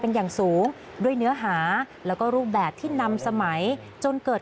เป็นอย่างสูงด้วยเนื้อหาแล้วก็รูปแบบที่นำสมัยจนเกิด